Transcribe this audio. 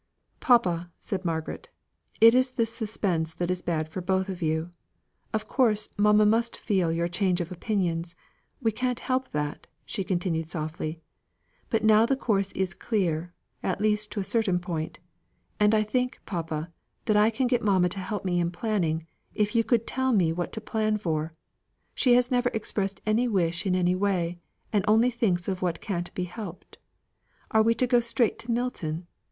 "Papa!" said Margaret, "it is this suspense that is bad for you both. Of course, mamma must feel your change of opinions: we can't help that," she continued softly; "but now the course is clear, at least to a certain point. And I think, papa, that I could get mamma to help me in planning, if you could tell me what to plan for. She has never expressed any wish in any way, and only thinks of what can't be helped. Are we to go straight to Milton?